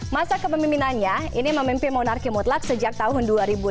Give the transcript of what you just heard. masa kepemimpinannya ini memimpin monarki mutlak sejak tahun dua ribu lima belas